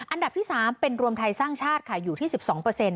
อันดับที่๓เป็นรวมไทยสร้างชาติอยู่ที่๑๒เปอร์เซ็นต์